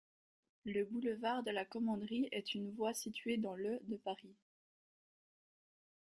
Le boulevard de la Commanderie est une voie située dans le de Paris.